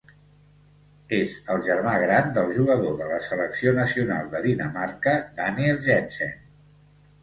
És el germà gran del jugador de la selecció nacional de Dinamarca Daniel Jensen.